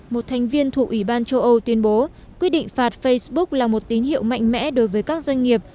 một thành viên thuộc ủy ban châu âu tuyên bố quyết định phạt facebook là một tín hiệu mạnh mẽ đối với các doanh nghiệp